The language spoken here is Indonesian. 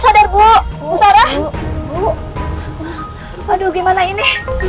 aduh gimana ini